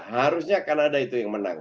harusnya kanada itu yang menang